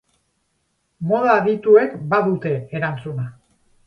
Moda adituek badute erantzuna.